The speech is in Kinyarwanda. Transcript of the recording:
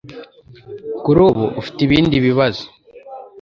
Kuri ubu ufite ibindi bibazo